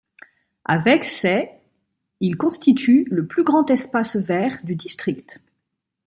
Avec ses il constitue le plus grand espace vert du district.